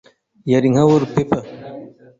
yari nka wallpaper: